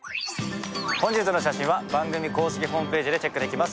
本日の写真は番組公式ホームページでチェックできます。